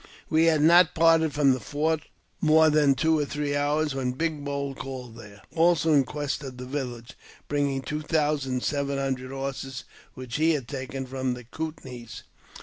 We had not parted from the fort more than two or three hours when Big Bowl called there, also in quest of the village, bringing two thousand seven hundred horses, which he had taken from the Coutnees.